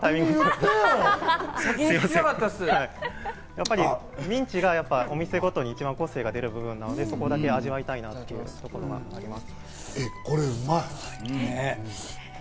やっぱりミンチがお店ごとに個性が出る部分なので、そこだけ味わいたいというところがあります。